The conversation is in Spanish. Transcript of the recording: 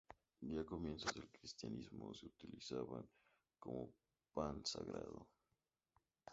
Ya a comienzos del cristianismo se utilizaban como "pan sagrado".